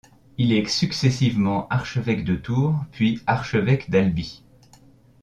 Il est successivement archevêque de Tours puis archevêque d'Albi.